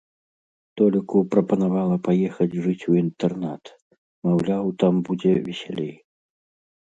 Толіку прапанавала паехаць жыць у інтэрнат, маўляў, там будзе весялей.